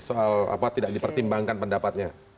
soal apa tidak dipertimbangkan pendapatnya